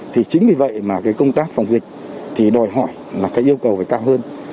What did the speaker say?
thì chính vì vậy mà cái công tác phòng dịch thì đòi hỏi là cái yêu cầu phải cao hơn